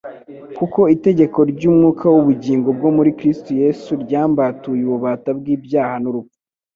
«Kuko itegeko ry'umwuka w'ubugingo bwo muri Kristo Yesu ryambatuye ububata bw'ibyaha n'urupfu.»